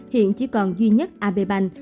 hiện chỉ còn duy nhất aribank